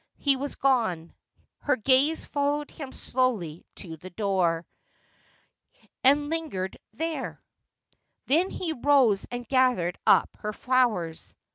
He was gone. Her gaze followed him slowly to the door, and lingered there ; then she rose and gathered up her flowers.